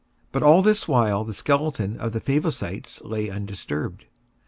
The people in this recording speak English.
But all this while the skeleton of the Favosites lay undisturbed.